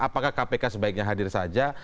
apakah kpk sebaiknya hadir saja